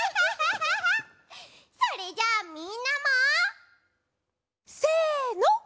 それじゃあみんなも！せの！